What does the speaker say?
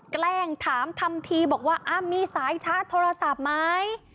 แกล้งถามทำทีบอกว่ามีสายชาร์จโทรศัพท์ไหม